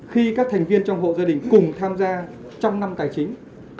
khi các thành viên trong hộ gia đình cùng tham gia trong năm tài chính